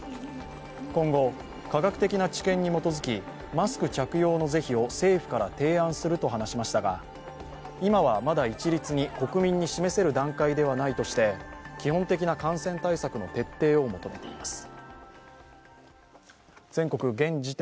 今後、科学的な知見に基づきマスク着用の是非を政府から提案すると話しましたが今はまだ一律に国民に示せる段階ではないとして基本的な感染対策の徹底を求めています。